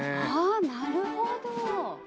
あなるほど！